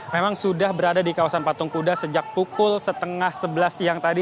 memang sudah berada di kawasan patung kuda sejak pukul setengah sebelas siang tadi